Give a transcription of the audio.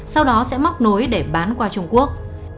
sau đó sẽ móc nối để bán qua trung quốc